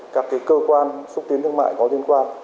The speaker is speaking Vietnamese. các cơ quan xúc tiến thương mại có liên quan